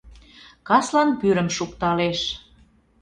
Каслан пӱрым шукталеш.